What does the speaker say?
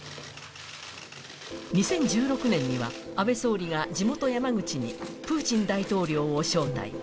２０１６年には安倍総理が地元・山口にプーチン大統領を招待。